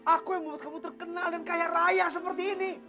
aku yang membuat kamu terkenal dan kaya raya seperti ini